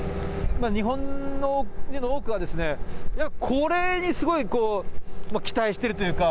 日本の多くはこれにすごい、期待しているというか。